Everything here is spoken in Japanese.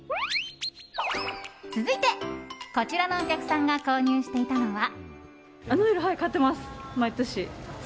続いて、こちらのお客さんが購入していたのは。